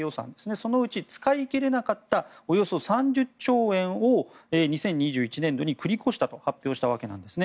そのうち使い切れなかったおよそ３０兆円を２０２１年度に繰り越したと発表したわけなんですね。